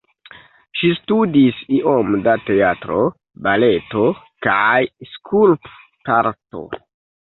Ŝi studis iom da teatro, baleto kaj skulptarto.